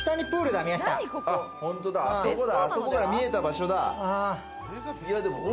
あそこが見えた場所だ。